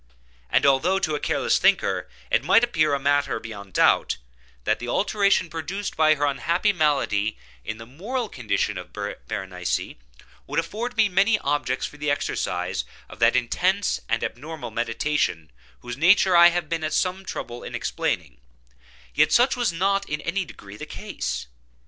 And although, to a careless thinker, it might appear a matter beyond doubt, that the alteration produced by her unhappy malady, in the moral condition of Berenice, would afford me many objects for the exercise of that intense and abnormal meditation whose nature I have been at some trouble in explaining, yet such was not in any degree the case.